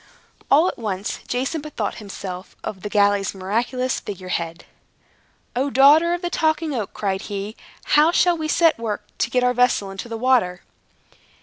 All at once, Jason bethought himself of the galley's miraculous figure head. "O, daughter of the Talking Oak," cried he, "how shall we set to work to get our vessel into the water?"